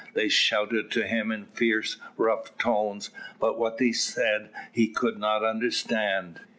They shouted to him in fierce, rough tones, but what they said he could not understand.